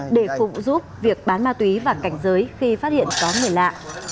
để phục giúp việc bán ma tùy và cảnh giới khi phát hiện có người lạ